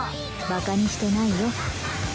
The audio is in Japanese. バカにしてないよ